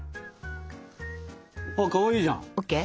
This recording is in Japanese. あっかわいいじゃん。ＯＫ？